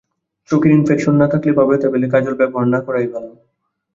চোখের ইনফেকশন থাকলে বা ব্যথা পেলে কাজল ব্যবহার না করাই ভালো।